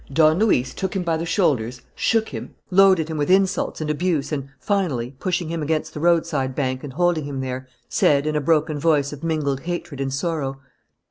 Don Luis took him by the shoulders, shook him, loaded him with insults and abuse and, finally, pushing him against the roadside bank and holding him there, said, in a broken voice of mingled hatred and sorrow.